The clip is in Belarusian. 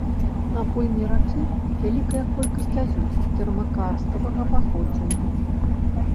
На пойме ракі вялікая колькасць азёр тэрмакарставага паходжання.